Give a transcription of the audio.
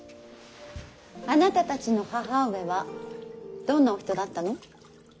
あなたたちの母上はどんなお人だったの。